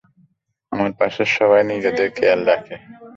আমার পাশের সবাই নিজেদের খেয়াল রাখে।